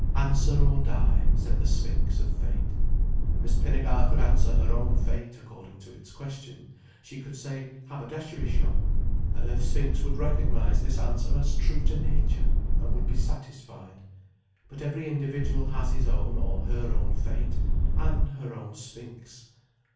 "Answer or die," said the Sphinx of fate. Miss Pinnegar could answer her own fate according to its question. She could say "haberdashery shop," and her sphinx would recognize this answer as true to nature, and would be satisfied. But every individual has his own, or her own fate, and her own sphinx.